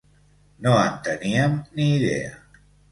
No en teníem ni idea.